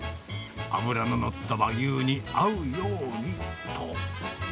脂の乗った和牛に合うようにと。